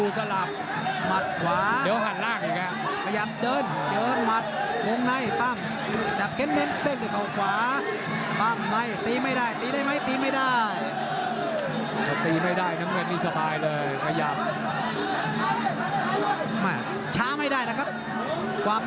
กระทำบ่นลีแยก